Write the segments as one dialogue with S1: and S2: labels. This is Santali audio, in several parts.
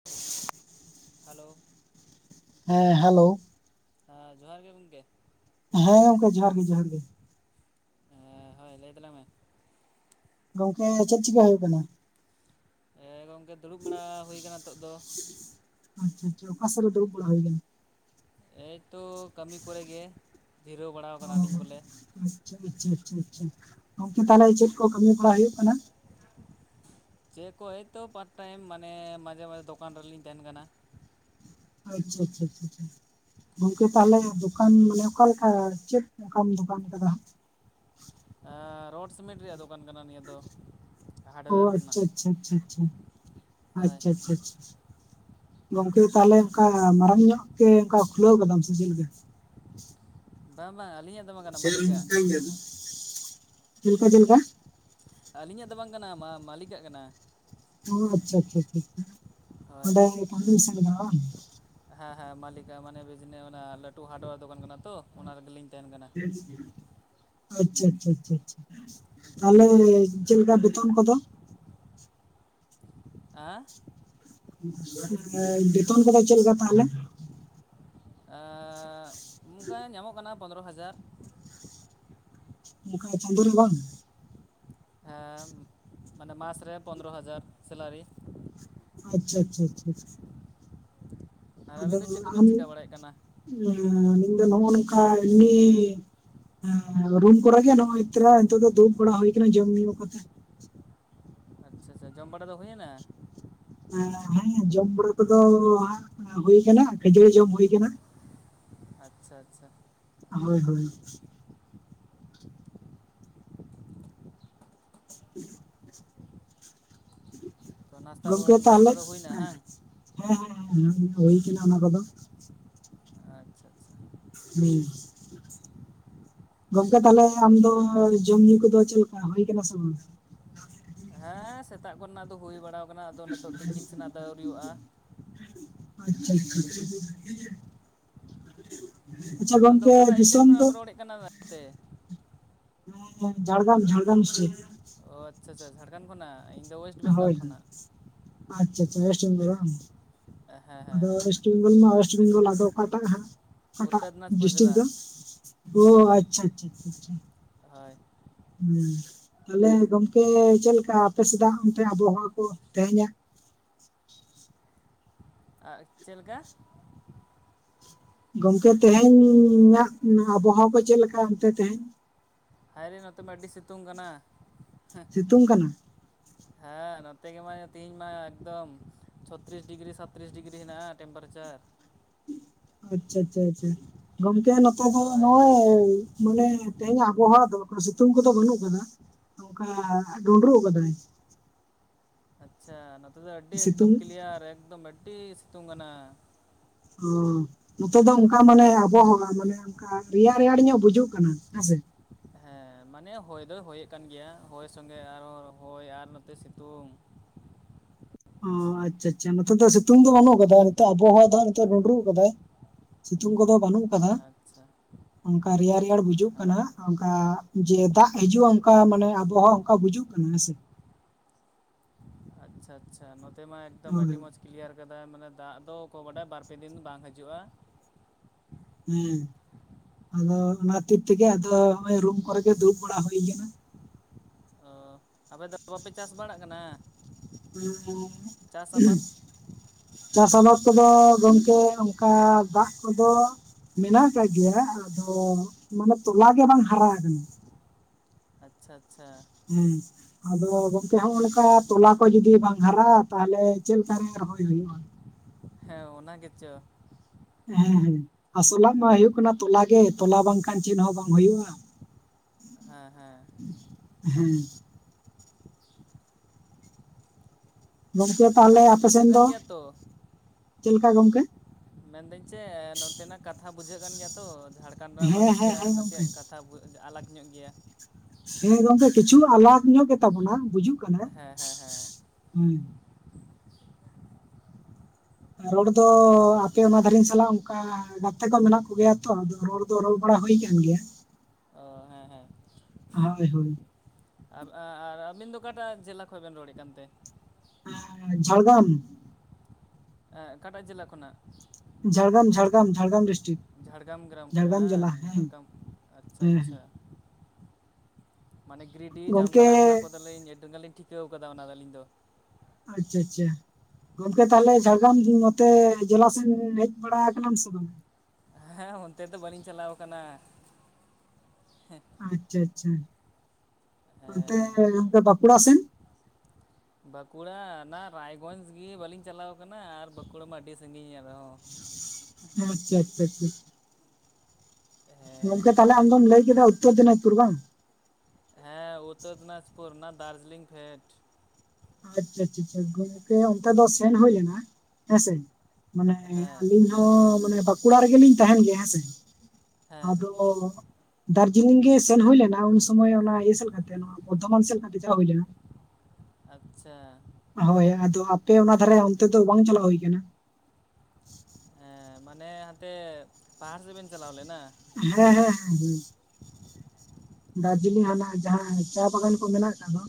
S1: [inaudible]
S2: ᱦᱮᱞᱳ ᱾
S1: ᱦᱮᱸ ᱦᱮᱞᱳ
S2: ᱦᱮᱸ ᱡᱚᱦᱟᱨ ᱜᱮ ᱜᱚᱝᱠᱮ ᱾
S1: ᱦᱮᱸ, ᱜᱚᱝᱠᱮ ᱡᱚᱦᱟᱨ ᱜᱮ, ᱡᱚᱦᱟᱨ ᱜᱮ ᱾
S2: ᱦᱮᱸ ᱦᱳᱭ ᱞᱟᱹᱭ ᱛᱟᱞᱟᱝ ᱢᱮ ᱾
S1: ᱜᱚᱝᱠᱮ ᱪᱮᱫ ᱪᱤᱠᱟ ᱦᱩᱭᱩᱜ ᱠᱟᱱᱟ?
S2: ᱦᱮᱸ ᱜᱚᱝᱠᱮ ᱫᱩᱲᱩᱵ ᱵᱟᱲᱟ ᱦᱩᱭ ᱟᱠᱟᱱᱟ ᱱᱤᱛᱚᱜ ᱫᱚ ᱾
S1: ᱟᱪᱪᱷᱟ ᱟᱪᱪᱷᱟ᱾ ᱚᱠᱟ ᱥᱮᱜ ᱨᱮ ᱫᱩᱲᱩᱵ ᱵᱟᱲᱟ ᱦᱩᱭ ᱟᱠᱟᱱᱟ ᱾
S2: ᱮᱭᱛᱚ ᱠᱟᱹᱢᱤ ᱠᱚᱨᱮ ᱜᱮ, ᱡᱤᱨᱟᱹᱣ ᱵᱟᱲᱟ
S1: ᱚ
S2: ᱠᱟᱱᱟᱞᱤᱧ ᱵᱚᱞᱮ ᱾
S1: ᱟᱪᱪᱷᱟ ᱟᱪᱪᱷᱟ ᱟᱪᱪᱷᱟ ᱟᱪᱪᱷᱟ ᱜᱚᱝᱠᱮ ᱛᱟᱦᱚᱞᱮ ᱪᱮᱫ ᱠᱚ ᱠᱟᱹᱢᱤ ᱵᱟᱲᱟ ᱦᱩᱭᱩᱜ ᱠᱟᱱᱟ?
S2: ᱪᱮᱫ ᱠᱚ ᱦᱚᱭᱛᱚ ᱯᱟᱴ ᱴᱟᱭᱤᱢ ᱢᱟᱱᱮ ᱢᱟᱡᱷᱮ ᱢᱟᱡᱷᱮ ᱫᱚᱠᱟᱱ ᱨᱮᱞᱤᱧ ᱛᱟᱦᱮᱱ ᱠᱟᱱᱟ ᱾
S1: ᱟᱪᱪᱷᱟ ᱟᱪᱷᱟ ᱟᱪᱷᱟᱷᱟ ᱾ ᱜᱚᱝᱠᱮ ᱛᱟᱦᱚᱞᱮ ᱫᱚᱠᱟᱱ ᱢᱟᱱᱮ ᱚᱠᱟ ᱞᱮᱠᱟ ᱪᱮᱫ ᱞᱮᱠᱟᱢ ᱫᱚᱠᱟᱱ ᱟᱠᱟᱫᱟ?
S2: ᱨᱳᱰ ᱥᱤᱢᱮᱱᱴ ᱨᱮᱭᱟᱜ ᱫᱚ ᱠᱟᱱ ᱠᱟᱱᱟ᱾ ᱱᱤᱭᱟᱹ ᱫᱚ
S1: ᱚ
S2: ᱦᱟᱨᱰᱣᱮᱭᱚᱨ
S1: ᱟᱪᱪᱷᱟ
S2: ᱨᱮᱱᱟᱜ ᱾
S1: ᱟᱪᱪᱷᱟ ᱟᱪᱪᱷᱟ ᱟᱪᱪᱷᱟ ᱟᱪᱪᱷᱟ ᱟᱪᱪᱷᱟ ᱟᱪᱪᱷᱟ ᱾ ᱜᱚᱝᱠᱮ ᱛᱟᱦᱚᱞᱮ ᱚᱱᱠᱟ ᱢᱟᱨᱟᱝ ᱧᱚᱜ ᱜᱮ ᱚᱱᱠᱟ ᱠᱷᱩᱞᱟᱹᱣ ᱟᱠᱟᱫᱟᱢ ᱥᱮ ᱪᱮᱫ ᱞᱮᱠᱟ?
S2: ᱵᱟᱝ, ᱵᱟᱝ ᱟᱹᱞᱤᱧᱟᱜ ᱫᱚ ᱵᱟᱝ ᱠᱟᱱᱟ
S1: [unintelligible] ᱪᱮᱞᱠᱟ
S2: ᱢᱟᱹᱞᱤᱠᱟᱜ
S1: ᱪᱮᱫ ᱞᱮᱠᱟ
S2: ᱟᱹᱞᱤᱧᱟᱜ ᱫᱚ ᱵᱟᱝ ᱠᱟᱱᱟ᱾ ᱢᱟᱹᱞᱤᱠᱟᱜ ᱠᱟᱱᱟ ᱾
S1: ᱚ ᱟᱪᱪᱷᱟ, ᱟᱪᱪᱷᱟ, ᱟᱪᱪᱷᱟ
S2: ᱦᱳᱭ
S1: ᱚᱸᱰᱮ [inaudible]
S2: ᱦᱮᱸ, ᱦᱮᱸ ᱢᱟᱹᱞᱤᱠᱟᱜ ᱢᱟᱱᱮ ᱵᱤᱡᱱᱤ ᱚᱱᱟ ᱞᱟᱹᱴᱩ ᱦᱟᱨᱰᱣᱮᱭᱟᱨ ᱫᱚᱠᱟᱱ ᱠᱟᱱᱟ ᱛᱚ, ᱚᱱᱟ ᱨᱮᱜᱮᱞᱤᱧ ᱛᱟᱦᱮᱱ ᱠᱟᱱᱟ ᱾
S1: ᱟᱪᱪᱷᱟ ᱟᱪᱪᱷᱟ ᱟᱪᱪᱷᱟ ᱟᱪᱪᱷᱟ ᱾ ᱛᱟᱦᱚᱞᱮ ᱪᱮᱫ ᱞᱮᱠᱟ ᱵᱮᱛᱚᱱ ᱠᱚᱫᱚ?
S2: ᱦᱮᱸ ᱾
S1: ᱵᱮᱛᱚᱱ ᱠᱚᱫᱚ ᱪᱮᱫ ᱞᱮᱠᱟ ᱛᱟᱦᱚᱞᱮ?
S2: ᱮᱻ ᱚᱱᱠᱟ ᱧᱟᱢᱚᱜ ᱠᱟᱱᱟ ᱯᱚᱱᱫᱽᱨᱚ ᱦᱟᱡᱟᱨ ᱾
S1: ᱚᱱᱠᱟ ᱪᱟᱸᱫᱳ ᱨᱮ ᱵᱟᱝ?
S2: ᱦᱮᱸ ᱢᱟᱱᱮ ᱢᱟᱥ ᱨᱮ ᱯᱚᱱᱫᱽᱨᱚ ᱦᱟᱡᱟᱨ ᱥᱮᱞᱟᱨᱤ ᱾
S1: ᱟᱪᱪᱷᱟ ᱟᱪᱪᱷᱟ ᱟᱪᱪᱷᱟ ᱾
S2: ᱟᱨ ᱟᱹᱵᱤᱱ
S1: ᱟᱫᱚ
S2: ᱫᱚ ᱪᱮᱫ ᱠᱚᱵᱤᱱ
S1: ᱟᱢ
S2: ᱪᱤᱠᱟᱹ ᱵᱟᱲᱟᱭᱮᱫ ᱠᱟᱱᱟ
S1: ᱫᱚ ᱱᱚ ᱱᱚᱝᱠᱟ ᱮᱢᱱᱤ ᱦᱮᱸ ᱨᱩᱢ ᱠᱚᱨᱮ ᱜᱮ ᱱᱚᱜᱼᱚᱭ ᱛᱚᱨᱟ ᱱᱤᱛᱚᱜ ᱫᱚ ᱫᱩᱲᱩᱵ ᱵᱟᱲᱟ ᱦᱩᱭ ᱟᱠᱟᱱᱟ, ᱡᱚᱢ ᱧᱩ ᱠᱟᱛᱮ ᱾
S2: ᱟᱪᱪᱷᱟ ᱟᱪᱪᱷᱟ ᱡᱚᱢ ᱵᱟᱲᱟ ᱫᱚ ᱦᱩᱭ ᱮᱱᱟ?
S1: ᱦᱮᱸ ᱡᱚᱢ ᱵᱟᱲᱟ ᱠᱚᱫᱚ ᱦᱟᱜ ᱦᱩᱭ ᱟᱠᱟᱱᱟ ᱠᱷᱟᱹᱡᱟᱹᱲᱤ ᱡᱚᱢ ᱦᱩᱭ ᱟᱠᱟᱱᱟ,
S2: ᱟᱪᱷᱟ ᱟᱪᱷᱟ,
S1: ᱦᱳᱭ ᱦᱳᱭ, [inaudible]
S2: ᱛᱚ ᱱᱟᱥᱛᱟ
S1: ᱜᱚᱝᱠᱮ
S2: ᱱᱟᱥᱛᱟ
S1: ᱛᱟᱦᱞᱮ
S2: ᱫᱚ ᱦᱩᱭᱱᱟ ᱵᱟᱝ
S1: ᱦᱮᱸ ᱦᱮᱸ ᱦᱩᱭ ᱠᱟᱱᱟ ᱚᱱᱟ ᱠᱚᱫᱚ᱾
S2: ᱟᱪᱪᱷᱟ ᱟᱪᱪᱷᱟ,
S1: ᱦᱩᱸ, ᱜᱚᱝᱠᱮ ᱛᱟᱦᱚᱞᱮ ᱟᱢ ᱫᱚ ᱡᱚᱢ ᱧᱩ ᱠᱚᱫᱚ ᱪᱮᱫ ᱞᱮᱠᱟ ᱦᱩᱭ ᱟᱠᱟᱱᱟ ᱥᱮ ᱵᱟᱝ?
S2: ᱦᱮᱸ ᱥᱮᱛᱟᱜ ᱠᱚᱨᱮᱱᱟᱜ ᱫᱚ ᱦᱩᱭ ᱵᱟᱲᱟ ᱟᱠᱟᱱᱟ ᱟᱫᱚ ᱱᱤᱛᱚᱜ ᱛᱤᱠᱤᱱ ᱥᱮᱱᱟᱜ ᱫᱚ ᱟᱹᱣᱨᱤᱭᱟᱜᱼᱟ᱾
S1: ᱟᱪᱪᱷᱟ ᱟᱪᱪᱷᱟ, ᱟᱪᱷᱟ
S2: ᱟᱢ ᱫᱚ
S1: ᱜᱚᱝᱠᱮ
S2: ᱚᱠᱟᱴᱟᱜ ᱥᱴᱮᱴ
S1: ᱫᱤᱥᱚᱢ
S2: ᱠᱷᱚᱱᱟᱜ
S1: ᱫᱚ?
S2: ᱮᱢ ᱨᱚᱲᱮᱫ ᱠᱟᱱᱟ ᱢᱮᱱᱛᱮ,
S1: ᱡᱷᱟᱲᱜᱨᱟᱢ ᱡᱷᱟᱲᱜᱨᱟᱢ ᱰᱤᱥᱢᱤᱥᱠᱢ,
S2: ᱚᱻ ᱟᱪᱪᱷᱟ ᱟᱪᱪᱷᱟ ᱡᱷᱟᱲᱜᱟᱨᱟᱢ ᱠᱷᱚᱱᱟᱜ, ᱤ [inaudible]
S1: ᱦᱳᱭ ᱟᱪᱪᱷᱟ ᱟᱪᱪᱷᱟ ᱳᱭᱮᱥᱴ ᱵᱮᱝᱜᱚᱞ ᱵᱟᱝ,
S2: ᱦᱮᱸ
S1: ᱟᱫᱚ
S2: ᱦᱮᱸ
S1: [unintelligible] ᱵᱮᱝᱜᱚᱞ ᱢᱟ ᱳᱭᱮᱥᱴ ᱵᱮᱝᱜᱚᱞ ᱟᱫ ᱟᱠᱟᱴᱟᱜ? ᱚᱴᱟᱜ
S2: ᱩᱛᱛᱚᱨ ᱫᱤᱱᱟᱡᱽᱯᱩᱨ
S1: ᱰᱤᱥᱴᱤᱠ
S2: ᱡᱮᱞᱟ
S1: ᱫᱚ ᱚ ᱟᱪᱪᱷᱟ ᱟᱪᱪᱷᱟ,
S2: ᱦᱳᱭ,
S1: ᱦᱮᱸ ᱛᱟᱦᱞᱮ ᱜᱚᱝᱠᱮ ᱪᱮᱫ ᱞᱮᱠᱟ ᱟᱯᱮᱥᱮᱫᱟᱜ ᱚᱱᱛᱮ ᱟᱵᱚᱦᱟᱣᱟ ᱠᱚ ᱛᱮᱦᱮᱧᱟᱜ?
S2: ᱟᱨ ᱪᱮᱫ ᱞᱮᱠᱟ?
S1: ᱜᱚᱝᱠᱮ ᱛᱮᱦᱮᱧ ᱧᱟᱜ ᱟᱵᱚᱦᱟᱣᱟ ᱠᱚ ᱪᱮᱫ ᱞᱮᱠᱟ ᱚᱱᱛᱮ ᱛᱮᱦᱮᱧ?
S2: ᱦᱟᱭᱨᱤ ᱱᱚᱛᱮ ᱢᱟ ᱟᱹᱰᱤ ᱥᱤᱛᱩᱝ ᱠᱟᱱᱟ᱾
S1: ᱥᱤᱛᱩᱝ ᱠᱟᱱᱟ?
S2: [inaudible] ᱦᱮᱸ ᱱᱚᱛᱮ ᱜᱮ ᱢᱟ ᱛᱮᱤᱦᱤᱧ ᱢᱟ ᱮᱠᱫᱚᱢ ᱪᱷᱚᱛᱨᱤᱥ ᱰᱤᱜᱽᱨᱤ ᱥᱟᱛᱨᱤᱥ ᱰᱤᱜᱽᱨᱤ ᱦᱮᱱᱟᱜᱼᱟ ᱴᱮᱢᱯᱟᱨᱮᱪᱟᱨ,
S1: ᱟᱪᱷᱟ ᱟᱪᱷᱟ ᱟᱪᱷᱟ ᱜᱚᱝᱠᱮ ᱱᱚᱛᱮ ᱫᱚ
S2: ᱦᱳᱭ
S1: ᱱᱚᱜᱼᱚᱭ ᱢᱟᱱᱮ ᱛᱮᱦᱮᱧᱟᱜ ᱟᱵᱚᱦᱟᱣᱟ ᱫᱚ ᱥᱤᱛᱩᱝ ᱠᱚᱫᱚ ᱵᱟᱹᱱᱩᱜ ᱟᱠᱟᱫᱟ ᱚᱱᱠᱟ ᱰᱩᱸᱰᱨᱩᱜ ᱟᱠᱟᱫᱟᱭ᱾
S2: ᱟᱪᱷᱟ ᱱᱚᱛᱮ ᱫᱚ ᱟᱹᱰᱤ ᱮᱠᱫᱚᱢ
S1: ᱥᱤᱛᱩᱝ
S2: ᱠᱞᱤᱭᱟᱨ ᱮᱠᱫᱚᱢ ᱟᱹᱰᱤ ᱥᱤᱛᱩᱝ ᱠᱟᱱᱟ᱾
S1: ᱚ ᱱᱚᱛᱮ ᱫᱚ ᱚᱱᱠᱟ ᱢᱟᱱᱮ ᱟᱵᱚᱦ ᱦᱚᱸ ᱢᱟᱱᱮ ᱟ ᱨᱮᱭᱟᱲ ᱨᱮᱭᱟᱲ ᱧᱚᱜ ᱵᱩᱡᱩᱜ ᱠᱟᱱᱟ ᱦᱮᱸᱥᱮ,
S2: ᱦᱮᱸ ᱢᱟᱱᱮ ᱦᱚᱭ ᱫᱚᱭ ᱦᱚᱭᱮᱫ ᱠᱟᱱ ᱜᱮᱭᱟ ᱦᱚᱭ ᱥᱚᱸᱜᱮ ᱟᱨᱚ ᱦᱚᱭ ᱟᱨ ᱱᱚᱛᱮ ᱥᱤᱛᱩᱝ᱾
S1: ᱚ ᱟᱪᱷᱟ ᱟᱪᱷᱟ ᱱᱚᱛᱮ ᱫᱚ ᱥᱤᱛᱩᱝ ᱫᱚ ᱵᱟᱹᱱᱩᱜ ᱟᱠᱟᱫᱟ ᱱᱤᱛᱚᱜ ᱟᱵᱚᱦᱟᱣᱟ ᱫᱚᱜ ᱱᱤᱛᱚᱜ ᱰᱩᱸᱰᱩᱜ ᱟᱠᱟᱫᱟᱭ᱾ ᱥᱤᱛᱩᱝ ᱠᱚᱫᱚ ᱵᱟᱹᱱᱩᱜ ᱟᱠᱟᱫᱟ
S2: ᱟᱪᱪᱷᱟ
S1: ᱚᱱᱠᱟ ᱨᱮᱭᱟᱲ ᱨᱮᱭᱟᱲ ᱵᱩᱡᱩᱜ ᱠᱟᱱᱟ
S2: ᱦᱮᱸ
S1: ᱡᱮ ᱫᱟᱜ ᱦᱤᱡᱩᱜᱼᱟ ᱚᱱᱠᱟ ᱢᱟᱱᱮ ᱟᱵᱚᱦᱟᱣᱟ ᱚᱱᱠᱟ ᱵᱩᱡᱩᱜ ᱠᱟᱱᱟ ᱦᱮᱸᱥᱮ,
S2: ᱟᱪᱷᱟ ᱟᱪᱷᱟ ᱱᱚᱛᱮ ᱢᱟ ᱮᱠᱫᱚᱢ
S1: ᱦᱳᱭ
S2: ᱟᱹᱰᱤ ᱢᱚᱸᱡᱽ ᱠᱞᱤᱭᱟᱨ ᱠᱟᱫᱟᱭ ᱢᱟᱱᱮ ᱫᱟᱜ ᱫᱚᱠᱚᱭ ᱵᱟᱰᱟᱭ ᱵᱟᱨ ᱯᱮ ᱫᱤᱱ ᱵᱟᱝ ᱦᱤᱡᱩᱜᱼᱟ᱾
S1: ᱦᱮᱸ ᱟᱫᱚ ᱚᱱᱟ ᱠᱷᱟᱹᱛᱤᱨ ᱛᱮᱜᱮ ᱟᱫᱚ ᱱᱚᱜᱚᱭ ᱨᱩᱢ ᱠᱚᱨᱮ ᱜᱮᱮ ᱫᱩᱲᱩᱵ ᱵᱟᱲᱟ ᱦᱩᱭ ᱟᱠᱟᱱᱟ,
S2: ᱚᱻ ᱟᱯᱮ ᱫᱚ ᱵᱟᱯᱮ ᱪᱟᱥ ᱵᱟᱲᱟᱜ ᱠᱟᱱᱟ? ᱪᱟᱥ ᱟᱵᱟᱫ
S1: [unintelligible] ᱪᱟᱥ ᱟᱵᱟᱫ ᱠᱚᱫᱚ ᱜᱚᱢᱠᱮ ᱚᱱᱠᱟ ᱫᱟᱜ ᱠᱚᱫᱚᱼᱼ ᱢᱮᱱᱟᱜ ᱟᱠᱟᱫ ᱜᱮᱭᱟ, ᱟᱫᱚ ᱢᱟᱱᱮ ᱛᱚᱚᱞ ᱜᱮ ᱵᱟᱝ ᱦᱟᱨᱟ ᱟᱠᱟᱱᱟ᱾
S2: ᱟᱪᱷᱟ ᱟᱪᱷᱟ,
S1: ᱦᱩᱸ, ᱟᱫᱚ ᱜᱚᱝᱠᱮ ᱦᱚᱜᱼᱠᱟ ᱛᱚᱞᱟ ᱠᱚ ᱡᱩᱚᱫᱤ ᱵᱟᱝ ᱦᱟᱨᱟᱜᱼᱟ ᱛᱟᱦᱚᱞᱮ ᱪᱮᱫᱞᱠᱟᱨᱮ ᱨᱚᱦᱚᱭ ᱦᱩᱭᱩᱜᱼᱟ?
S2: ᱦᱮᱸ ᱚᱱᱟ ᱜᱮᱪᱚ,
S1: ᱦᱮᱸ ᱦᱮᱸ ᱟᱥᱚᱞᱟᱜ ᱢᱟ
S2: ᱦᱮᱸ
S1: ᱦᱩᱭᱩᱜ ᱠᱟᱱᱟ ᱛᱚᱞᱟ ᱜᱮ ᱛᱚᱞᱟ ᱵᱟᱝᱠᱷᱟᱱ ᱪᱮᱫ ᱦᱚᱸ ᱵᱟᱝ ᱦᱩᱭᱩᱜᱼᱟ᱾
S2: ᱦᱮᱸ ᱦᱮᱸ,
S1: ᱦᱮᱸ᱾ ᱜᱚᱝᱠᱮ ᱛᱟᱦᱚᱞᱮ
S2: ᱠᱟᱛᱷᱟ
S1: ᱟᱯᱮ ᱥᱮᱱ
S2: ᱵᱩᱡᱷᱟᱹᱜ ᱠᱟᱱ
S1: ᱫᱚ
S2: ᱜᱮᱭᱟ ᱛᱚ
S1: ᱪᱮᱫ ᱞᱮᱠᱟ ᱜᱚᱝᱠᱮ?
S2: ᱢᱮᱱᱫᱟᱹᱧ ᱪᱮᱫ ᱱᱚᱱᱛᱮᱱᱟᱜ ᱠᱟᱛᱷᱟ ᱵᱩᱡᱷᱟᱹᱜ ᱠᱟᱱ ᱜᱮᱭᱟ ᱛᱚ ᱡᱷᱟᱲᱠᱷᱚᱱᱰ ᱨᱮᱱᱟᱜ ᱢᱟ
S1: ᱦᱮᱸ ᱦᱮᱸ
S2: ᱱᱟᱥᱮᱭᱟᱜ
S1: ᱦᱮᱸ ᱜᱚᱝᱠᱮ
S2: ᱱᱟᱥᱮᱭᱟᱜ ᱠᱟ, ᱛᱷᱟ ᱟᱞᱟᱜᱽ ᱧᱚᱜ ᱜᱮᱭᱟ᱾
S1: ᱦᱮᱸ ᱜᱚᱝᱠᱮ ᱠᱤᱪᱷᱩ ᱟᱞᱟᱯ ᱧᱚᱜ ᱜᱮᱛᱟ ᱵᱚᱱᱟ ᱵᱩᱡᱩᱜ ᱠᱟᱱᱟ
S2: ᱦᱮᱸ ᱦᱮᱸ ᱦᱮᱸ
S1: ᱦᱮᱸ, ᱨᱚᱲ ᱫᱚ ᱟᱯᱮᱢᱟ ᱫᱷᱟᱨᱮ ᱥᱟᱞᱟᱜ ᱚᱱᱠᱟ, ᱜᱟᱛᱮ ᱠᱚ ᱢᱮᱱᱟᱜ ᱠᱚᱜᱮᱭᱟ ᱛᱚ ᱟᱫᱚ ᱨᱚᱲ ᱫᱚ ᱨᱚᱲ ᱵᱟᱲᱟ ᱦᱩᱭ ᱠᱟᱱ ᱜᱮᱭᱟ᱾
S2: ᱚ ᱦᱮᱸ ᱦᱮᱸ,
S1: ᱦᱳᱭ ᱦᱳᱭ᱾
S2: ᱟᱨ ᱟ ᱻ ᱟᱨ ᱟᱻᱟᱹᱵᱤᱱ ᱫᱚ ᱚᱠᱟᱴᱟᱜ ᱡᱮᱞᱟ ᱠᱷᱚᱱ ᱵᱮᱱ ᱨᱚᱲᱮᱜ ᱠᱟᱱᱛᱮ?
S1: ᱮᱸᱻᱡᱷᱟᱲᱜᱨᱟᱢ᱾
S2: ᱮᱸ ᱠᱟᱴᱟ ᱡᱮᱞᱟ ᱠᱷᱚᱱᱟᱜ?
S1: ᱡᱷᱟᱲᱜᱨᱟᱢ ᱡᱷᱟᱲᱜᱨᱟᱢ ᱡᱷᱟᱲᱜᱨᱟᱢ ᱰᱤᱥᱴᱨᱤᱠ᱾
S2: ᱡᱷᱟᱲᱜᱨᱟᱢ ᱜᱨᱟᱢ ᱠᱷᱚᱭ ᱦᱟᱸᱝ ᱡᱷᱟᱲᱜᱨᱟᱢ ᱟᱪᱪᱷᱟ
S1: ᱦᱮᱸ ᱦᱮᱸ
S2: ᱟᱪᱪᱷᱟ᱾ ᱢᱟᱱᱮ ᱜᱨᱤᱰᱤ
S1: ᱜᱚᱝᱠᱮ
S2: ᱡᱟᱢᱛᱟᱲᱟ ᱚᱱᱟ ᱠᱚᱫᱚᱞᱤᱧ ᱟᱹᱰᱤᱜᱟᱱ ᱞᱤᱧ ᱴᱷᱤᱠᱟᱹᱣ ᱠᱟᱫᱟ ᱚᱱᱟᱫᱚ ᱟᱹᱞᱤᱧ ᱫᱚ᱾
S1: ᱟᱪᱪᱷᱟ ᱟᱪᱪᱷᱟ ᱜᱚᱝᱠᱮ ᱛᱟᱦᱞᱮ ᱡᱷᱟᱲᱜᱨᱟᱢ
S2: ᱦᱮᱸ
S1: ᱱᱚᱛᱮ, ᱡᱮᱞᱟ ᱥᱮ ᱮᱢ ᱦᱮᱜ ᱵᱟᱲᱟ ᱟᱠᱟᱱᱟᱢ ᱥᱮ ᱵᱟᱝ?
S2: ᱦᱮᱸ ᱚᱱᱛᱮ ᱫᱚ ᱵᱟᱹᱞᱤᱧ ᱪᱟᱞᱟᱣ ᱠᱟᱱᱟ ᱦᱮᱸ,
S1: ᱟᱪᱪᱷᱟ ᱟᱪᱪᱷᱟ ᱚᱱᱛᱮ
S2: ᱦᱮᱸ
S1: ᱚᱱᱛᱮ ᱵᱟᱸᱠᱩᱲᱟ ᱥᱮᱜ?
S2: [inaudible] ᱵᱟᱸᱠᱩᱲᱟ ᱚᱱᱟ ᱨᱟᱭᱜᱚᱡᱽ ᱜᱤ ᱵᱟᱹᱞᱤᱧ ᱪᱟᱞᱟᱣ ᱠᱟᱱᱟ ᱟᱨ ᱵᱟᱸᱠᱩᱲᱟ ᱢᱟ ᱟᱹᱰᱤ ᱥᱟᱺᱜᱤᱧ ᱟᱨᱦᱚᱸ᱾
S1: ᱟᱪᱪᱷᱟ ᱟᱪᱪᱷᱟ ᱟᱪᱪᱷᱟ ᱪᱷᱟ᱾
S2: ᱦᱮᱸ
S1: ᱜᱚᱝᱠᱮ ᱛᱟᱦᱚᱞᱮ ᱟᱢ ᱫᱚᱢ ᱞᱟᱹᱭ ᱠᱮᱫᱟ ᱩᱛᱛᱚᱨ ᱫᱤᱱᱟᱡᱽᱯᱩᱨ ᱵᱟᱝ,
S2: ᱦᱮᱸ ᱩᱛᱛᱚᱨ ᱫᱤᱱᱟᱡᱽᱯᱩᱨ ᱚᱱᱟ ᱫᱟᱨᱡᱤᱞᱤᱝ ᱯᱷᱮᱰ᱾
S1: ᱟᱪᱪᱷᱟ ᱟᱪᱪᱷᱟ ᱜᱚᱝᱠᱮ ᱚᱱᱛᱮ ᱫᱚ ᱥᱮᱱ ᱦᱳᱭ ᱞᱮᱱᱟ ᱦᱮᱸᱥᱮ ᱢᱟᱱᱮ
S2: ᱦᱮᱸ
S1: ᱟᱹᱞᱤᱧ, ᱫᱚ ᱢᱟᱱᱮ ᱵᱟᱸᱠᱩᱲᱟ ᱨᱮᱜᱮᱞᱤᱧ ᱛᱟᱦᱮᱱ ᱜᱮᱭᱟ ᱦᱮᱸᱥᱮ
S2: ᱦᱮᱸ
S1: ᱟᱫᱚ, ᱫᱟᱨᱡᱤᱞᱤᱝ ᱜᱤ ᱥᱮᱱ ᱦᱩᱭ ᱞᱮᱱᱟ ᱩᱱ ᱥᱚᱢᱚᱭ ᱚᱱᱟ ᱤᱭᱟᱹᱥᱮᱜ ᱞᱮᱠᱟᱛᱮ, ᱵᱚᱨᱫᱷᱚᱢᱟᱱ ᱥᱮᱜ ᱞᱮ ᱠᱟᱛᱮ ᱪᱟᱞᱟᱭ ᱦᱩᱭ ᱞᱮᱱᱟ᱾
S2: ᱟᱪᱪᱷᱟ,
S1: ᱦᱳᱭ ᱟᱫᱚ ᱟᱯᱮ ᱚᱱᱟ ᱫᱷᱟᱨᱮ ᱚᱱᱛᱮ ᱫᱚ ᱵᱟᱝ ᱪᱟᱞᱟᱣ ᱦᱳᱭ ᱠᱟᱱᱟ᱾
S2: ᱦᱮᱸ ᱢᱟᱱᱮ ᱦᱟᱱᱛᱮ ᱯᱟᱦᱟᱲ ᱥᱮᱜ ᱵᱤᱱ ᱪᱟᱞᱟᱣ ᱞᱮᱱᱟ,
S1: ᱦᱮᱸ ᱦᱮᱸ ᱦᱮᱸ ᱦᱮᱸ᱾ ᱫᱟᱨᱡᱤᱞᱤᱝ ᱦᱟᱱᱟ ᱡᱟᱦᱟᱸ ᱪᱟ ᱵᱟᱜᱟᱱ ᱠᱚ ᱢᱮᱱᱟᱜ ᱠᱟᱜ ᱫᱚ,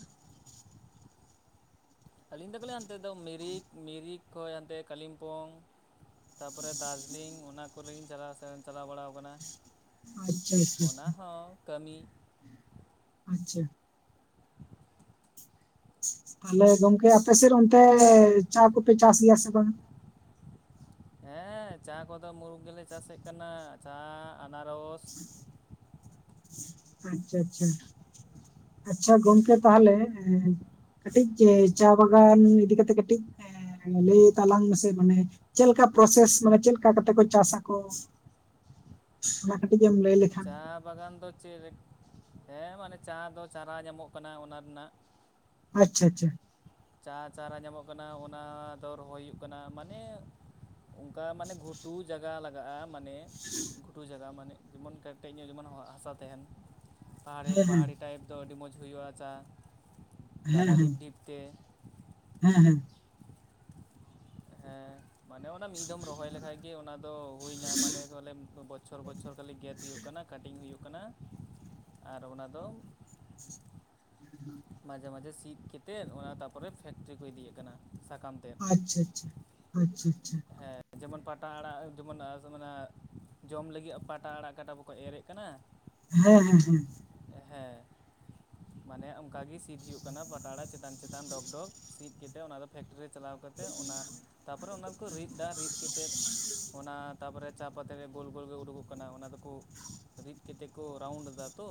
S2: ᱟᱹᱞᱤᱧ ᱫᱚ ᱠᱷᱟᱹᱞᱤ ᱚᱱᱛᱮ ᱫᱚ ᱢᱤᱨᱤᱠ ᱢᱤᱨᱤᱠ ᱠᱷᱚᱭ ᱦᱟᱱᱛᱮ ᱠᱟᱞᱤᱝᱯᱚᱝ᱾ ᱛᱟᱯᱚᱨᱮ ᱫᱟᱨᱡᱤᱞᱤᱝ ᱚᱱᱟ ᱠᱚᱨᱮᱧ ᱪᱟᱞᱟᱣ ᱥᱮᱱ ᱪᱟᱞᱟᱣ ᱵᱟᱲᱟᱣ ᱠᱟᱱᱟ᱾
S1: ᱟᱪᱪᱷᱟ ᱟᱪᱪᱷᱟ
S2: ᱚᱱᱟ
S1: ᱟᱪᱪᱷᱟ
S2: ᱦᱚᱸ ᱠᱟᱹᱢᱤ,
S1: ᱟᱪᱪᱷᱟ,
S2: [inaudible]
S1: ᱛᱟᱦᱚᱞᱮ ᱜᱚᱝᱠᱮ ᱟᱯᱥᱮᱜ ᱚᱱᱛᱮ ᱪᱟ ᱠᱚᱯᱮ ᱪᱟᱥ ᱜᱮᱭᱟ ᱥᱮ ᱵᱟᱝᱟ,
S2: ᱦᱮᱸ ᱪᱟ ᱠᱚᱫᱚ ᱢᱩᱨᱩᱠ ᱜᱮᱞᱮ ᱪᱟᱥᱮᱜ ᱠᱟᱱᱟ ᱪᱟ ᱟᱱᱟᱨᱚᱥ᱾
S1: ᱟᱪᱪᱷᱟ ᱟᱪᱪᱷᱟ, ᱟᱪᱪᱷᱟ ᱜᱚᱝᱠᱮ ᱛᱟᱦᱚᱞᱮ ᱠᱟᱹᱴᱤᱜ ᱪᱮ ᱪᱟ ᱵᱟᱜᱟᱱ ᱤᱫᱤ ᱠᱟᱛᱮᱜ ᱠᱟᱹᱴᱤᱜ, ᱞᱮᱭ ᱛᱟᱞᱟᱝ ᱢᱮᱥᱮ ᱢᱟᱱᱮ ᱪᱮᱞ ᱠᱟ ᱯᱨᱚᱥᱮᱥ ᱢᱟᱱᱮ ᱪᱮᱞ ᱠᱟ ᱠᱟᱛᱮ ᱠᱚ ᱪᱟᱸᱥᱟᱠᱚ? ᱚᱱᱟ ᱠᱟᱹᱴᱤᱡ ᱮᱢ ᱞᱟᱹᱭ ᱞᱮᱠᱷᱟᱱ
S2: ᱪᱟ ᱵᱟᱜᱟᱱ ᱫᱚ ᱪᱮᱜᱨᱮ ᱦᱮᱸ ᱢᱟᱱᱮ ᱪᱟ ᱫᱚ ᱪᱟᱨᱟ ᱧᱟᱢᱚᱜ ᱠᱟᱱᱟ ᱚᱱᱟ ᱨᱮᱱᱟᱜ
S1: ᱟᱪᱪᱷᱟ ᱟᱪᱪᱷᱟ
S2: ᱪᱟ ᱪᱟᱨᱟ ᱧᱟᱢᱚᱜ ᱠᱟᱱᱟ ᱚᱱᱟ ᱫᱚ ᱨᱚᱦᱚᱭ ᱦᱩᱭᱩᱜ ᱠᱟᱱᱟ ᱢᱟᱱᱮ ᱚᱝᱠᱟ ᱢᱟᱱᱮ ᱜᱷᱩᱴᱩ ᱡᱟᱜᱟ ᱞᱟᱜᱟ-ᱟ ᱢᱟᱱᱮ ᱜᱷᱩᱴᱩ ᱡᱟᱜᱟ ᱢᱟᱱᱮ ᱡᱮᱢᱚᱱ ᱠᱮᱴᱮᱡ ᱧᱚᱜ ᱡᱮᱢᱚᱱ ᱦᱟᱥᱟ ᱛᱮᱦᱮᱱ᱾ ᱯᱟᱦᱟᱲᱤ
S1: ᱦᱮᱸ
S2: ᱯᱟᱦᱟᱲᱤ ᱴᱟᱭᱤᱯ ᱫᱚ ᱟᱹᱰᱤ ᱢᱚᱸᱡᱽ ᱦᱩᱭᱩᱜ-ᱟ ᱪᱟ
S1: ᱦᱮᱸ
S2: ᱜᱟᱰᱟ
S1: ᱦᱮᱸ
S2: ᱰᱤᱯ ᱰᱤᱯ ᱛᱮ,
S1: ᱦᱮᱸ ᱦᱮᱸ
S2: ᱦᱮᱸ ᱢᱟᱱᱮ ᱚᱱᱟ ᱢᱤᱜ ᱫᱚᱢ ᱨᱚᱦᱚᱭ ᱞᱮᱠᱷᱟᱡ ᱜᱮ ᱚᱱᱟ ᱫᱚ ᱦᱩᱭ ᱱᱟ ᱢᱟᱱᱮ ᱠᱚ ᱞᱮᱢ ᱠᱚ ᱵᱚᱪᱷᱚᱨ ᱵᱚᱪᱷᱚᱨ ᱠᱟᱞᱤ ᱜᱮᱫ ᱦᱩᱭᱩᱜ ᱠᱟᱱᱟ᱾ ᱠᱟᱴᱤᱝ ᱦᱩᱭᱩᱜ ᱠᱟᱱᱟ ᱟᱨ ᱚᱱᱟ ᱫᱚ ᱢᱟᱡᱷᱮ ᱢᱟᱡᱷᱮ ᱥᱤᱫ ᱠᱮᱛᱮᱫ ᱚᱱᱟ ᱛᱟᱯᱚᱨᱮ ᱯᱷᱮᱠᱴᱨᱤ ᱠᱚ ᱤᱫᱤᱭᱮᱜ ᱠᱟᱱᱟ ᱥᱟᱠᱟᱢ ᱛᱮ
S1: ᱟᱪᱪᱷᱟ ᱟᱪᱪᱷᱟ ᱟᱪᱪᱷᱟ ᱟᱪᱪᱷᱟ
S2: ᱦᱮᱸ ᱡᱮᱢᱚᱱ ᱯᱟᱴᱟ ᱟᱲᱟᱜ ᱡᱮᱢᱚᱱ ᱡᱮᱢᱚᱱ ᱡᱚᱢ ᱞᱟᱹᱜᱤ ᱯᱟᱴᱟ ᱟᱲᱟᱜ ᱠᱟᱴᱟ ᱵᱟᱠᱚ ᱮᱨᱮᱜ ᱠᱟᱱᱟ
S1: ᱦᱮᱸ ᱦᱮᱸ ᱦᱮᱸ
S2: ᱦᱮᱸ ᱢᱟᱱᱮ ᱚᱝᱠᱟ ᱜᱮ ᱥᱤᱫ ᱦᱩᱭᱩᱜ ᱠᱟᱱᱟ ᱯᱟᱴᱲᱟ ᱪᱮ ᱛᱟᱱ ᱪᱮᱛᱟᱱ ᱰᱚᱜᱽ ᱰᱚᱜᱽ ᱥᱤᱫ ᱠᱮᱛᱮ ᱚᱱᱟ ᱫᱚ ᱯᱷᱮᱠᱴᱨᱤ ᱨᱮ ᱪᱟᱞᱟᱣ ᱠᱟᱛᱮ ᱚᱱᱟ ᱛᱟᱯᱚᱨᱮ ᱚᱱᱟ ᱠᱚ ᱨᱤᱫ ᱫᱟ ᱨᱤᱫ ᱠᱮᱛᱮᱫ ᱚᱱᱟ ᱛᱟᱯᱚᱨᱮ ᱪᱟ ᱯᱟᱹᱛᱤ ᱨᱮᱭᱟᱜ ᱜᱳᱞ ᱜᱳᱞ ᱜᱮ ᱩᱰᱩᱜᱚᱜ ᱠᱟᱱᱟ ᱚᱱᱟ ᱫᱚᱠᱚ ᱨᱤᱫ ᱠᱮᱛᱮ ᱠᱚ ᱨᱟᱣᱩᱱᱰ ᱫᱟ ᱛᱚ,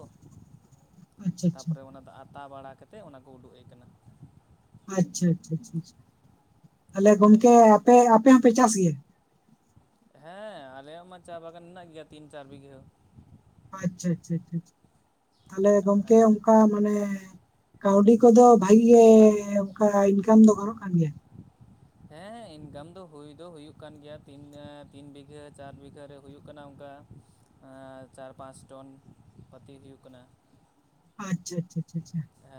S1: ᱟᱪᱪᱷᱟ ᱟᱪᱪᱷᱟ
S2: ᱛᱟᱯᱚᱨᱮ ᱚᱱᱟ ᱫᱚ ᱟᱛᱟ ᱵᱟᱲᱟ ᱠᱟᱛᱮᱜ ᱚᱱᱟ ᱠᱚ ᱩᱰᱩᱠᱮᱜ ᱠᱟᱱᱟ᱾
S1: ᱟᱪᱪᱷᱟ ᱟᱪᱪᱷᱟ ᱟᱪᱪᱷᱟ ᱟᱞᱮ
S2: ᱦᱳᱭ
S1: ᱜᱚᱢᱠᱮ ᱟᱯᱮ ᱟᱯᱮ ᱦᱚᱸᱯᱮ ᱪᱟᱥ ᱜᱮᱭᱟ?
S2: ᱦᱮᱸ ᱟᱞᱮᱭᱟᱜ ᱢᱟ ᱪᱟ ᱵᱟᱜᱟᱱ ᱢᱮᱱᱟᱜ ᱜᱮᱭᱟ ᱛᱤᱱ ᱪᱟᱨ ᱵᱤᱜᱷᱟᱹ᱾
S1: ᱟᱪᱪᱷᱟ ᱟᱪᱪᱷᱟ ᱪᱷᱟ ᱪᱷᱟ ᱛᱷᱟᱞᱮ ᱜᱚᱢᱠᱮ
S2: ᱦᱮᱸ
S1: ᱚᱝᱠᱟ ᱢᱟᱱᱮ ᱠᱟᱹᱣᱰᱤ ᱠᱚᱫᱚ ᱵᱷᱟᱜᱤ ᱜᱮ ᱚᱝᱠᱟ ᱤᱱᱠᱟᱢ ᱫᱚ ᱜᱟᱱᱚᱜ ᱠᱟᱱ ᱜᱮᱭᱟ?
S2: ᱦᱮᱸ ᱤᱱᱠᱟᱢ ᱫᱚ ᱦᱩᱭ ᱫᱚ ᱦᱩᱭᱩᱜ ᱠᱟᱱ ᱜᱮᱭᱟ ᱛᱤᱱ ᱛᱤᱱ ᱵᱤᱜᱷᱟᱹ ᱪᱟᱨ ᱵᱤᱜᱷᱟᱹ ᱨᱮ, ᱦᱩᱭᱩᱜ ᱠᱟᱱᱟ ᱚᱝᱠᱟ ᱪᱟᱨ ᱯᱟᱸᱪ ᱴᱚᱱ ᱯᱟᱹᱛᱤ ᱦᱩᱭᱩᱜ ᱠᱟᱱᱟ᱾
S1: ᱟᱪᱪᱷᱟ ᱪᱷᱟᱪᱷᱟ ᱟᱪᱷᱟ ᱟᱪᱷᱟ
S2: ᱮ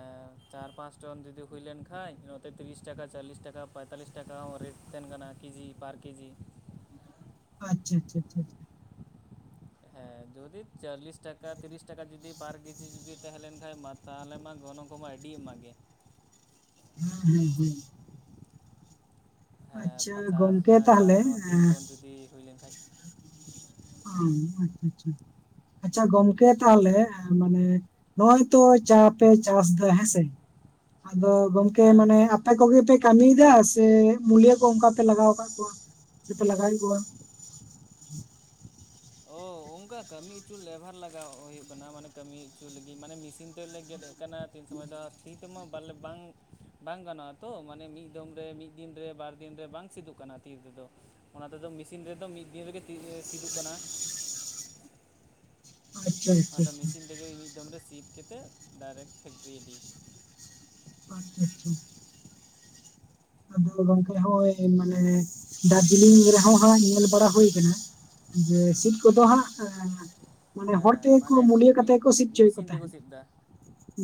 S2: ᱪᱟᱨ ᱯᱟᱸᱪ ᱴᱚᱱ ᱡᱩᱫᱤ ᱦᱩᱭ ᱞᱮᱱ ᱠᱷᱟᱡ ᱱᱚᱛᱮ ᱛᱤᱨᱤᱥ ᱴᱟᱠᱟ ᱪᱟᱞᱞᱤᱥ ᱴᱟᱠᱟ ᱯᱚᱸᱭᱛᱟᱞᱞᱤᱥ ᱴᱟᱠᱟ ᱦᱚᱸ ᱨᱮᱴ ᱛᱮᱱ ᱠᱟᱱᱟ ᱠᱤᱡᱤ ᱵᱟᱨ ᱠᱮᱡᱤ
S1: ᱟᱪᱪᱷᱟ ᱪᱷᱟ ᱟᱪᱷᱟ ᱪᱷᱟ ᱪᱷᱟ ᱪᱟ
S2: ᱦᱮᱸ ᱡᱩᱫᱤ ᱪᱟᱸᱞᱞᱤᱥ ᱴᱟᱠᱟ ᱛᱤᱨᱤᱥ ᱴᱟᱠᱟ ᱡᱩᱫᱤ ᱯᱟᱨ ᱠᱮᱡᱤ ᱡᱩᱫᱤ ᱛᱟᱦᱮᱸ ᱞᱮᱱ ᱠᱷᱟᱡ ᱢᱟ ᱛᱟᱦᱞᱮ ᱢᱟ ᱜᱚᱱᱚᱝ ᱠᱚᱢᱟ ᱟᱹᱰᱤ ᱟᱢᱟ ᱜᱮ᱾
S1: ᱦᱩᱸ ᱦᱩᱸ ᱦᱩᱸ
S2: ᱦᱮᱸ
S1: ᱟᱪᱪᱷᱟ
S2: ᱯᱟᱸᱪᱟᱨ
S1: ᱜᱚᱢᱠᱮ
S2: ᱪᱟᱨ
S1: ᱛᱟᱦᱚᱞᱮ
S2: ᱴᱚᱱ ᱛᱤᱱ
S1: ᱮᱸ,
S2: ᱴᱚᱱ ᱡᱩᱫᱤ ᱦᱩᱭ ᱞᱮᱝᱠᱷᱟᱡ
S1: ᱚᱸ ᱟᱪᱪᱷᱟ ᱟᱪᱪᱷᱟ ᱟᱪᱪᱷᱟ ᱜᱚᱢᱠᱮ ᱛᱟᱦᱚᱞᱮ ᱢᱟᱱᱮ ᱱᱚᱜ-ᱚᱭ ᱛᱚ ᱪᱟ ᱯᱮ ᱪᱟᱥᱫᱟ ᱦᱮᱸᱥᱮ ᱟᱫᱚ ᱜᱚᱢᱠᱮ
S2: ᱦᱮᱸ
S1: ᱢᱟᱱᱮ ᱟ ᱯᱮ ᱠᱚᱜᱮ ᱯᱮ ᱠᱟᱹᱢᱤᱭ ᱫᱟ ᱥᱮ ᱢᱩᱞᱭᱟᱹ ᱠᱚ ᱚᱱᱠᱟ ᱯᱮ ᱞᱟᱜᱟᱣ ᱠᱟᱜ ᱠᱚᱣᱟ ᱥᱮᱯᱮ ᱞᱟᱜᱟᱮᱜ ᱠᱚᱣᱟ?
S2: ᱚ ᱚᱝᱠᱟ ᱠᱟᱹᱢᱤ ᱩᱪᱩ ᱞᱮᱵᱷᱟᱨ ᱞᱟᱜᱟᱣ ᱦᱩᱭᱩᱜ ᱠᱟᱱᱟ ᱢᱟᱱᱮ ᱠᱟᱹᱢᱤ ᱩᱪᱩ ᱞᱟᱹᱜᱤᱫ ᱢᱟᱱᱮ ᱢᱮᱥᱤᱱ ᱛᱮᱞᱮ ᱜᱮᱫ ᱮᱫ ᱠᱟᱱᱟ ᱛᱤᱱ ᱥᱚᱢᱚᱭ ᱫᱚ ᱛᱤ ᱛᱮᱢᱟ ᱵᱟᱞᱮ ᱵᱟᱝ ᱵᱟᱝ ᱜᱟᱱᱚᱜ-ᱟ ᱛᱚ ᱢᱟᱱᱮ ᱢᱤᱫ ᱫᱚᱢ ᱨᱮ ᱢᱤᱫ ᱫᱤᱱ ᱨᱮ ᱵᱟᱨ ᱫᱤᱱ ᱨᱮ ᱵᱟᱝ ᱥᱤᱫᱩᱜ ᱠᱟᱱᱟ ᱛᱤ ᱛᱮᱫᱚ ᱚᱱᱟ ᱛᱮᱫᱚ ᱢᱤᱥᱤᱱ ᱨᱮᱫᱚ ᱢᱤᱫ ᱫᱤᱱ ᱨᱮᱫᱚ ᱥᱤᱫᱚᱜ ᱠᱟᱱᱟ᱾
S1: ᱟᱪᱪᱷᱟ ᱟᱪᱪᱷᱟ
S2: ᱟᱫᱚ
S1: ᱟᱪᱪᱷᱟ
S2: ᱢᱤᱥᱤᱱ ᱛᱮᱜᱮ ᱢᱤᱫ ᱫᱚᱢ ᱨᱮ ᱥᱤᱫ ᱠᱮᱛᱮᱫ ᱰᱟᱭᱨᱮᱠᱴ ᱯᱷᱮᱠᱴᱨᱤ ᱤᱫᱤ᱾
S1: ᱟᱪᱪᱷᱟ ᱟᱪᱪᱷᱟ ᱟᱫᱚ ᱜᱚᱝᱠᱮ ᱦᱚᱭ ᱢᱟᱱᱮ ᱫᱟᱨᱡᱤᱞᱤᱝ ᱨᱮᱦᱚᱸ ᱦᱟᱸᱜ ᱧᱮᱞ ᱵᱟᱲᱟ ᱦᱩᱭ ᱠᱟᱱᱟ ᱡᱮ ᱥᱤᱴ ᱠᱚᱫᱚ ᱦᱟᱸᱜ ᱮᱸ ᱢᱟᱱᱮ
S2: ᱦᱮᱸ
S1: ᱦᱚᱲ
S2: ᱦᱮᱸ
S1: ᱛᱮᱜᱮ ᱠᱚ
S2: ᱢᱟᱱᱮ
S1: ᱢᱩᱞᱤᱭᱟᱹ
S2: ᱢᱤᱫ
S1: ᱠᱟᱛᱮ ᱜᱮᱠᱚ ᱥᱤᱜ ᱪᱚᱭᱮᱫ ᱠᱚ
S2: ᱢᱮᱥᱤᱱ ᱛᱮᱠᱚ
S1: ᱛᱟᱦᱮᱸᱫ
S2: ᱥᱤᱫ ᱮᱫᱟ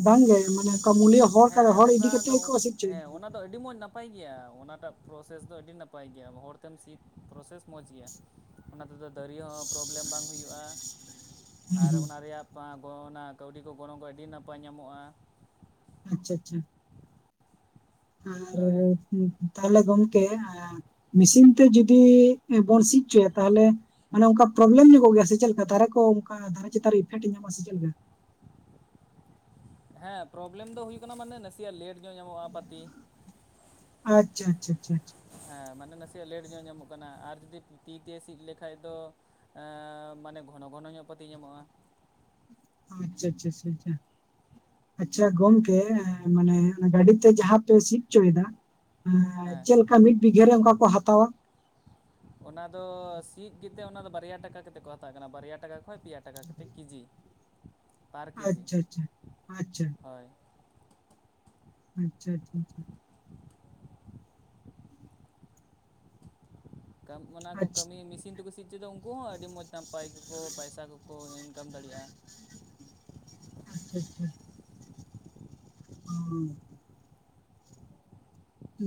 S1: ᱵᱟᱝᱜᱮ ᱢᱟᱱᱮ [unintelligible] ᱢᱩᱞᱤᱭᱟᱹ ᱦᱚᱲᱠᱟ
S2: ᱦᱮᱸ ᱦᱮᱸ
S1: ᱦᱚᱲ ᱤᱫᱤ
S2: ᱚᱱᱠᱟ
S1: ᱠᱟᱛᱮ
S2: ᱫᱚ
S1: ᱜᱮᱠᱚ ᱥᱤᱜ [unintelligible]
S2: ᱦᱮᱸ ᱚᱱᱟ ᱫᱚ ᱟᱹᱰᱤ ᱢᱚᱸᱡᱽ ᱱᱟᱯᱟᱭ ᱜᱮᱭᱟ ᱚᱱᱟᱴᱟᱜ ᱯᱨᱚᱥᱮᱥ ᱫᱚ ᱟᱹᱰᱤ ᱱᱟᱯᱟᱭ ᱜᱮᱭᱟ ᱦᱚᱲᱛᱮᱢ ᱥᱤᱫ ᱯᱨᱚᱥᱮᱥ ᱢᱚᱡᱽ ᱜᱮᱭᱟ ᱚᱱᱟ ᱛᱮᱫᱚ ᱫᱟᱹᱨᱤ ᱦᱚᱸ ᱯᱨᱚᱵᱞᱮᱢ ᱵᱟᱝ ᱦᱩᱭᱩᱜᱼᱟ
S1: ᱠᱟᱱᱟ ᱦᱩᱸ
S2: ᱟᱨ ᱚᱱᱟ
S1: ᱦᱩᱸ
S2: ᱨᱮᱭᱟᱜ ᱯᱟ ᱜᱚ ᱚᱱᱟ ᱠᱟᱹᱣᱰᱤ ᱠᱚ ᱜᱚᱱᱚᱝ ᱠᱚ ᱟᱹᱰᱤ ᱱᱟᱯᱟᱭ ᱧᱟᱢᱚᱜᱼᱟ
S1: ᱟᱪᱪᱷᱟ ᱟᱪᱪᱷᱟ ᱟᱨ
S2: ᱦᱳᱭ
S1: ᱛᱟᱦᱚᱞᱮ ᱜᱚᱝᱠᱮ ᱮᱸ ᱢᱤᱥᱤᱱ ᱛᱮ ᱡᱩᱫᱤ ᱵᱚᱱ ᱥᱤᱫ ᱪᱚᱭᱟ ᱛᱟᱦᱚᱞᱮ ᱢᱟᱱᱮ ᱚᱱᱠᱟ ᱯᱨᱚᱵᱞᱮᱢ ᱧᱚᱜᱚᱜ ᱜᱮᱭᱟ ᱥᱮ ᱪᱮᱫ ᱞᱮᱠᱟ ᱫᱟᱨᱮ ᱠᱚ ᱚᱱᱠᱟ ᱫᱟᱨᱮ ᱪᱮᱛᱟᱱ ᱨᱮ ᱤᱯᱷᱮᱠᱴ ᱧᱟᱢᱟ ᱥᱮ ᱪᱮᱫ ᱞᱮᱠᱟ?
S2: ᱦᱮᱸ ᱯᱨᱚᱵᱞᱮᱢ ᱫᱚ ᱦᱩᱭᱩᱜ ᱠᱟᱱᱟ ᱢᱟᱱᱮ ᱱᱟᱥᱮᱭᱟᱜ ᱞᱮᱴ ᱧᱚᱜ ᱧᱟᱢᱚᱜᱼᱟ ᱯᱟᱹᱛᱤ
S1: ᱟᱪᱪᱷᱟ ᱟᱪᱪᱷᱟ [unintelligible]
S2: ᱦᱮᱸ ᱢᱟᱱᱮ ᱱᱟᱥᱮᱭᱟᱜ ᱞᱮᱴ ᱧᱚᱜ ᱧᱟᱢᱚᱜ ᱠᱟᱱᱟ ᱟᱨ ᱡᱩᱫᱤ ᱛᱤᱛᱮ ᱥᱤᱫ ᱞᱮᱠᱷᱟᱡ ᱫᱚ ᱮᱸ ᱢᱟᱱᱮ ᱜᱷᱚᱱᱚ ᱜᱷᱚᱱᱚ ᱧᱚᱜ ᱯᱟᱹᱛᱤ ᱧᱟᱢᱚᱜᱼᱟ
S1: ᱟᱪᱪᱷᱟ ᱟᱪᱪᱷᱟ ᱟᱪᱪᱷᱟ ᱟᱪᱪᱷᱟ ᱟᱪᱪᱷᱟ ᱜᱚᱝᱠᱮ ᱮᱸ ᱢᱟᱱᱮ ᱜᱟᱹᱰᱤᱛᱮ ᱡᱟᱦᱟᱸ ᱯᱮ ᱥᱤᱜ ᱪᱚᱭᱮᱫᱟ ᱮᱸ
S2: ᱦᱮᱸ
S1: ᱪᱮᱫ ᱞᱮᱠᱟ ᱢᱤᱫ ᱵᱤᱜᱷᱟᱹᱨᱮ ᱚᱱᱠᱟ ᱠᱚ ᱦᱟᱛᱟᱣᱟ?
S2: [unintelligible] ᱚᱱᱟ ᱫᱚ ᱥᱤᱫ ᱠᱟᱛᱮᱜ ᱚᱱᱟ ᱫᱚ ᱵᱟᱨᱭᱟ ᱴᱟᱠᱟ ᱠᱟᱛᱮᱫ ᱠᱚ ᱦᱟᱛᱟᱣ ᱠᱟᱱᱟ ᱵᱟᱨᱭᱟ ᱴᱟᱠᱟ ᱠᱷᱚᱡ ᱯᱮᱭᱟ ᱴᱟᱠᱟ ᱠᱟᱛᱮᱫ ᱠᱤᱡᱤ ᱯᱟᱨ ᱠᱤᱡᱤ
S1: ᱟᱪᱪᱷᱟ ᱟᱪᱪᱷᱟ ᱟᱪᱪᱷᱟ
S2: ᱦᱳᱭ
S1: ᱟᱪᱪᱷᱟ ᱟᱪᱪᱷᱟ [unintelligible]
S2: ᱠᱟᱢ ᱚᱱᱟ
S1: ᱟᱪᱪᱷᱟ
S2: ᱠᱚ ᱠᱟᱹᱢᱤ ᱢᱮᱥᱤᱱ ᱛᱤᱠᱩ ᱥᱤᱫ [unintelligible] ᱩᱱᱠᱩ ᱦᱚᱸ ᱟᱹᱰᱤ ᱢᱚᱡᱽ ᱱᱟᱯᱟᱭ ᱠᱚᱠᱚ ᱯᱟᱭᱥᱟ ᱠᱚᱠᱚ ᱤᱱᱠᱟᱢ ᱫᱟᱲᱮᱭᱟᱜᱼᱟ
S1: [unintelligible] [unintelligible]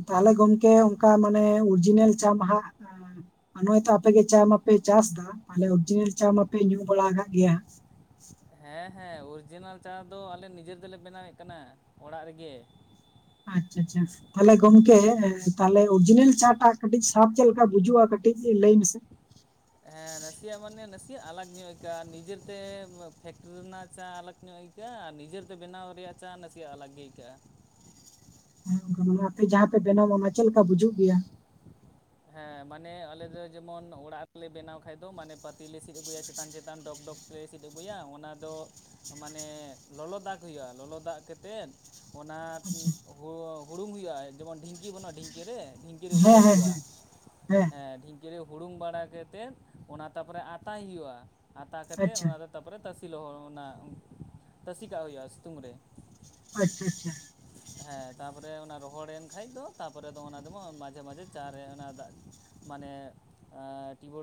S1: ᱛᱟᱦᱞᱮ ᱜᱚᱢᱠᱮ ᱚᱝᱠᱟ ᱢᱟᱱᱮ ᱚᱨᱡᱤᱱᱮᱞ ᱪᱟ ᱢᱟ ᱦᱟᱸᱜ ᱱᱚᱜᱼᱚᱭ ᱛᱚ ᱟᱯᱮᱜᱮ ᱪᱟ ᱢᱟᱯᱮ ᱪᱟᱥᱫᱟ ᱛᱟᱦᱞᱮ ᱚᱨᱤᱡᱤᱱᱟᱞ ᱪᱟ ᱢᱟᱯᱮ ᱧᱩ ᱵᱟᱲᱟ ᱠᱟᱜ ᱜᱮᱭᱟ ᱦᱟᱸᱜ
S2: ᱦᱮᱸ ᱦᱮᱸ ᱚᱨᱤᱡᱤᱱᱟᱞ ᱪᱟ ᱫᱚ ᱟᱞᱮ ᱱᱤᱡᱮ ᱛᱮᱞᱮ ᱵᱮᱱᱟᱣᱮᱫ ᱠᱟᱱᱟ ᱚᱲᱟᱜ ᱨᱮᱜᱮ
S1: ᱟᱪᱪᱷᱟ ᱟᱪᱪᱷᱟ ᱛᱟᱦᱞᱮ ᱜᱚᱢᱠᱮ ᱛᱟᱦᱞᱮ ᱚᱨᱤᱡᱤᱱᱟᱞ ᱪᱟ ᱴᱟᱜ ᱠᱟᱹᱴᱤᱡ ᱥᱟᱫ ᱪᱮᱫ ᱞᱮᱠᱟ ᱵᱩᱡᱩᱜᱼᱟ ᱠᱟᱹᱴᱤᱡ ᱞᱟᱹᱭ ᱢᱮᱥᱮ
S2: ᱦᱮᱸ ᱱᱟᱥᱮᱭᱟᱜ ᱢᱟᱱᱮ ᱱᱟᱥᱮᱭᱟᱜ ᱟᱞᱟᱜ ᱧᱚᱜ ᱟᱹᱭᱠᱟᱹᱜᱼᱟ ᱱᱤᱡᱮᱛᱮ ᱯᱷᱮᱠᱴᱨᱤ ᱨᱮᱱᱟᱜ ᱪᱟ ᱟᱞᱟᱜ ᱧᱚᱜ ᱟᱹᱭᱠᱟᱹᱜ ᱟᱹᱭᱠᱟᱹᱜᱼᱟ ᱟᱨ ᱱᱤᱡᱮᱛᱮ ᱵᱮᱱᱟᱣ ᱨᱮᱭᱟᱜ ᱪᱟ ᱱᱟᱥᱮᱱᱟᱜ ᱟᱞᱟᱜ ᱜᱮ ᱟᱹᱭᱠᱟᱹᱜᱼᱟ
S1: [unintelligible] ᱟᱯᱮ ᱡᱟᱦᱟᱸ ᱯᱮ ᱵᱮᱱᱟᱣ ᱚᱱᱟ ᱪᱮᱫ ᱞᱮᱠᱟ ᱵᱩᱡᱩᱜ ᱜᱮᱭᱟ?
S2: ᱦᱮᱸ ᱢᱟᱱᱮ ᱟᱞᱮ ᱫᱚ ᱡᱮᱢᱚᱱ ᱚᱲᱟᱜ ᱨᱮᱞᱮ ᱵᱮᱱᱟᱣ ᱠᱷᱟᱡ ᱫᱚ ᱢᱟᱱᱮ ᱯᱟᱹᱛᱤ ᱞᱮ ᱥᱤᱫ ᱟᱹᱜᱩᱭᱟ ᱪᱮᱛᱟᱱ ᱪᱮᱛᱟᱱ ᱰᱚᱜᱽ ᱰᱚᱜᱽ ᱞᱮ ᱥᱤᱫ ᱟᱹᱜᱩᱭᱟ ᱚᱱᱟ ᱫᱚ ᱢᱟᱱᱮ ᱞᱚᱞᱚ ᱫᱟᱜ ᱦᱩᱭᱩᱜᱼᱟ ᱞᱚᱞᱚ ᱫᱟᱜ ᱠᱟᱛᱮᱫ ᱚᱱᱟ
S1: ᱟᱪᱪᱷᱟ
S2: ᱦᱩ ᱦᱩᱲᱩᱝ ᱦᱩᱭᱩᱜᱼᱟ ᱡᱮᱢᱚᱱ ᱰᱷᱤᱝᱠᱤ ᱵᱟᱹᱱᱩᱜᱼᱟ ᱰᱷᱤᱝᱠᱤ ᱨᱮ ᱰᱷᱤᱝᱠᱤ ᱨᱮ
S1: ᱦᱮᱸ
S2: ᱦᱩᱲᱩᱝ
S1: ᱦᱮᱸ
S2: ᱦᱩᱭᱩᱜᱼᱟ
S1: ᱦᱮᱸ ᱦᱮᱸ
S2: ᱰᱷᱤᱝᱠᱤ ᱨᱮ ᱦᱩᱲᱩᱝ ᱵᱟᱲᱟ ᱠᱟᱛᱮᱫ ᱚᱱᱟ ᱛᱟᱯᱚᱨᱮ ᱟᱛᱟᱭ ᱦᱩᱭᱩᱜᱼᱟ ᱟᱛᱟ ᱠᱟᱛᱮ
S1: ᱟᱪᱪᱷᱟ
S2: ᱚᱱᱟ ᱫᱚ ᱛᱟᱯᱚᱨᱮ ᱛᱟᱥᱮ ᱞᱚᱦᱚ ᱚᱱᱟ ᱛᱟᱥᱮ ᱠᱟᱜ ᱦᱩᱭᱩᱜᱼᱟ ᱥᱤᱛᱩᱝ ᱨᱮ
S1: ᱟᱪᱪᱷᱟ ᱟᱪᱪᱷᱟ
S2: ᱦᱮᱸ ᱛᱟᱯᱚᱨᱮ ᱚᱱᱟ ᱨᱚᱦᱚᱲᱮᱱ ᱠᱷᱟᱡ ᱫᱚ ᱛᱟᱨᱯᱚᱨᱮ ᱫᱚ ᱚᱱᱟ ᱫᱚᱢ ᱢᱟᱡᱷᱮ ᱢᱟᱡᱷᱮ ᱪᱟ ᱨᱮ ᱚᱱᱟ ᱫᱟᱜ ᱢᱟᱱᱮ ᱮᱸ [unintelligible]